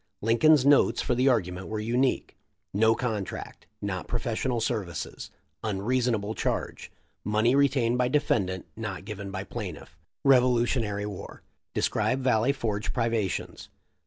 Lincoln's notes for the argument were unique : "No contract. — Not profes sional services. — Unreasonable charge. — Money re tained by Deft not given by Pl'fT. — Revolutionary War. — Describe Valley Forge privations.